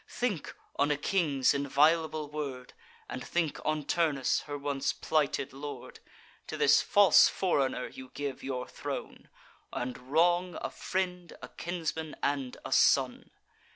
Think on a king's inviolable word; And think on Turnus, her once plighted lord: To this false foreigner you give your throne, And wrong a friend, a kinsman, and a son.